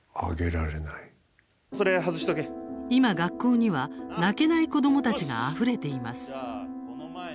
今、学校には泣けない子どもたちがあふれています。